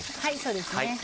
そうですね。